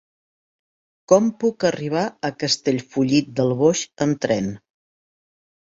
Com puc arribar a Castellfollit del Boix amb tren?